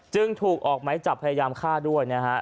จึงถูกออกไหมจับพยายามฆ่าด้วยนะฮะ